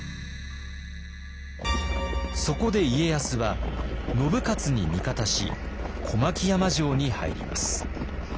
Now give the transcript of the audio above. そこで家康は信雄に味方し小牧山城に入ります。